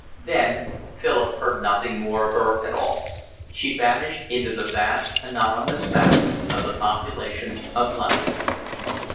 Then Philip heard nothing more of her at all. She vanished into the vast anonymous mass of the population of London.